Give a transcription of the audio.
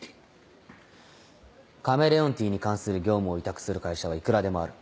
カメレオンティーに関する業務を委託する会社はいくらでもある。